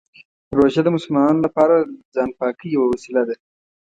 روژه د مسلمانانو لپاره د ځان پاکۍ یوه وسیله ده.